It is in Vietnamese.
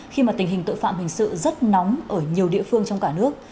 khi mà tình hình tội phạm hình sự rất nóng ở nhiều địa phương trong cả nước